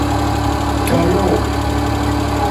Beeloo.